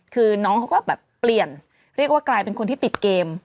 คือน้องเขาก็แบบเปลี่ยนเรียกว่ากลายเป็นคนที่ติดเกม